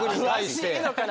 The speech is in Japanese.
詳しいのかな？